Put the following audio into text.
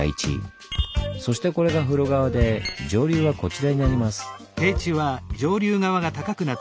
そしてこれが風呂川で上流はこちらになります。